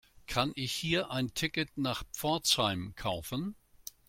Kann ich hier ein Ticket nach Pforzheim kaufen?